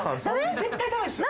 絶対ダメですよ。